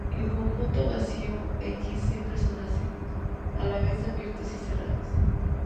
El conjunto vacío y "X" siempre son, a la vez, abiertos y cerrados.